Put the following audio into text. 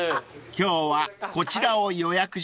［今日はこちらを予約しました］